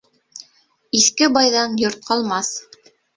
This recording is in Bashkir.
Иҫке байҙан йорт ҡалмаҫ